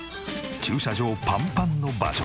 駐車場パンパンの場所。